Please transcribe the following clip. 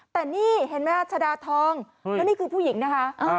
แต่นี่เห็นไหมชะดาทองแล้วนี่คือผู้หญิงนะคะ